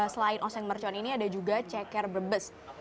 selain oseng mercon ini ada juga ceker brebes